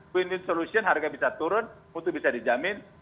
win win solution harga bisa turun mutu bisa dijamin